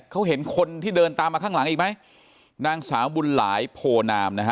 เขาเห็นคนที่เดินตามมาข้างหลังอีกไหมนางสาวบุญหลายโพนามนะฮะ